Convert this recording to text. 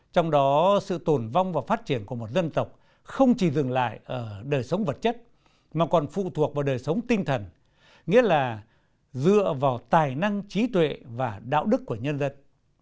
trong đó sự tồn vong và phát triển của một dân tộc không chỉ dừng lại ở đời sống vật chất mà còn phụ thuộc vào đời sống tinh thần nghĩa là dựa vào tài năng trí tuệ và đạo đức của nhân dân